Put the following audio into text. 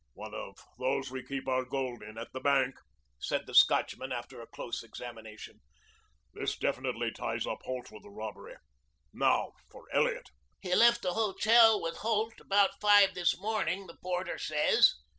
"One of those we keep our gold in at the bank," said the Scotchman after a close examination. "This definitely ties up Holt with the robbery. Now for Elliot." "He left the hotel with Holt about five this morning the porter says."